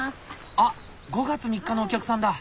あっ５月３日のお客さんだ！